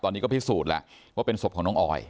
ตอนนี้ก็พิสูจน์แล้วว่าเป็นศพของน้องออย